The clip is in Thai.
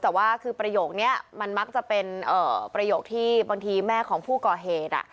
แต่ว่าคือประโยคนี้มันมักจะเป็นประโยคที่บางทีแม่ของผู้ก่อเหตุ